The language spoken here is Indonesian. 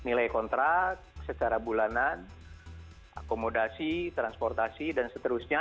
nilai kontrak secara bulanan akomodasi transportasi dan seterusnya